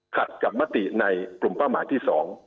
ขัดกับมติในกลุ่มเป้าหมายที่๒